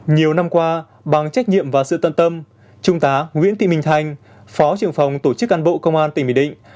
nhiều năm qua bằng trách nhiệm và sự tân tâm trung tá nguyễn tị mình thành phó trưởng phòng tổ chức an bộ công an tỉnh bình định